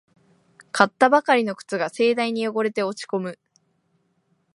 買ったばかりの靴が盛大に汚れて落ちこむ